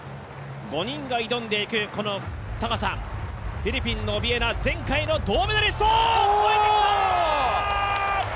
５人が挑んでいくこの高さ、フィリピンのオビエナ、前回の銅メダリスト、越えてきた！